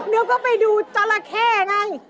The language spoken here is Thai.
เราก็ไปดูปลดความรู้สึกจรแคนง่าย